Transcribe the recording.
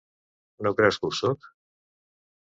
No creus que ho sóc?